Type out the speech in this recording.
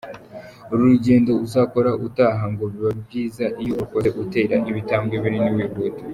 Uru rugendo uzakora utaha, ngo biba byiza iyo urukoze utera ibitambwe binini wihuta.